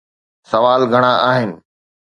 سوال گهڻا آهن.